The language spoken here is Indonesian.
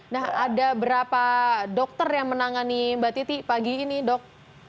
nah ada berapa dokter yang menangani mbak titi pagi ini dok